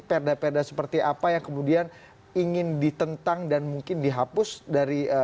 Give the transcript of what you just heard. perda perda seperti apa yang kemudian ingin ditentang dan mungkin dihapus dari